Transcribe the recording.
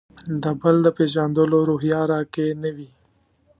د «بل» د پېژندلو روحیه راکې نه وي.